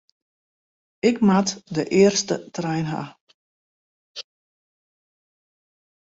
Ik moat de earste trein ha.